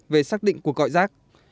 về xác định cuộc gọi rác